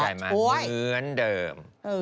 มาเหมือนเดิม